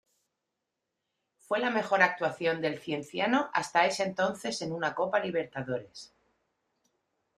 Fue la mejor actuación del Cienciano hasta ese entonces en una Copa Libertadores.